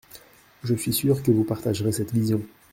Je suis sûr que vous partagerez cette vision.